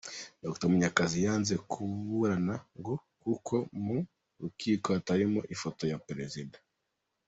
Dr. Munyakazi yanze kuburana ngo kuko mu rukiko hatarimo ifoto ya Perezida